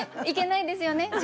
いけないですよね。